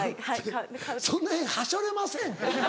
その辺はしょれません？